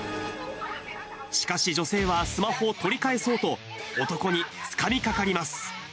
しかし女性はスマホを取り返そうと、男につかみかかります。